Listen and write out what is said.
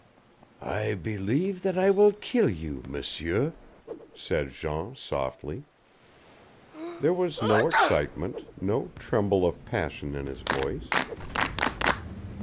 "I believe that I will kill you, M'seur," said Jean softly. There was no excitement, no tremble of passion in his voice.